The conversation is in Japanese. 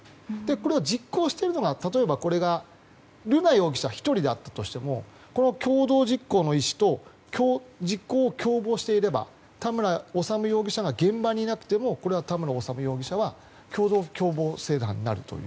これは実行しているのが瑠奈容疑者１人だったとしてもこの共同実行の意思と実行を共謀していれば田村修容疑者が現場にいなくてもこれは田村修容疑者は共謀共同正犯になると。